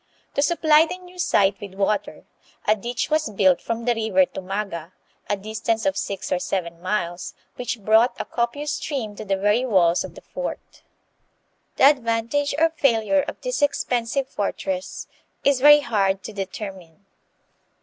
To supply the new site with water, a ditch was built from the river Tumaga, a distance of six or seven miles, which brought a copious stream to the very walls of the fort. The advantage or failure of this .expensive fortress is very hard to determine.